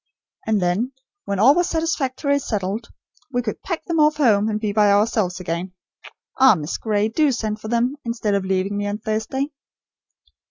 And then when all was satisfactorily settled, we could pack them off home, and be by ourselves again. Ah, Miss Gray, do send for them, instead of leaving me on Thursday."